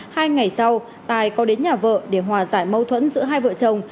hai ngày sau tài có đến nhà vợ để hòa giải mâu thuẫn giữa hai vợ chồng